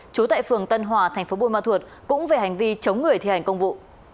trú tại phường tân hòa tp bun ma thuột cũng về hành vi chống người thi hành công vụ